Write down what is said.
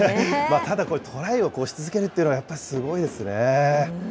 ただ、これ、トライをし続けるっていうのは、やっぱりすごいですよね。